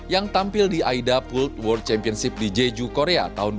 yang tampil di aida world world championship di jeju korea tahun dua ribu dua puluh